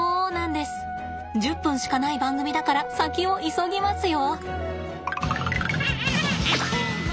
１０分しかない番組だから先を急ぎますよ！